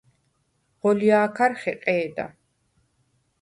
ღოლჲა̄ქარ ხეყე̄და.